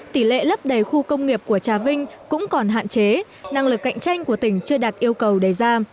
tỷ lệ lấp đầy khu công nghiệp của trà vinh cũng còn hạn chế năng lực cạnh tranh của tỉnh chưa đạt yêu cầu đề ra